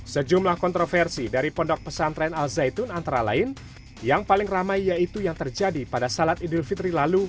sejumlah kontroversi dari pondok pesantren al zaitun antara lain yang paling ramai yaitu yang terjadi pada salat idul fitri lalu